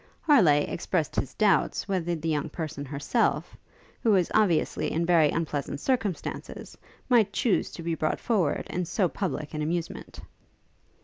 Harleigh expressed his doubts whether the young person herself, who was obviously in very unpleasant circumstances, might chuse to be brought forward in so public an amusement.